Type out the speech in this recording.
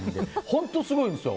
本当すごいんですよ。